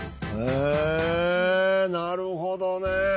へえなるほどね。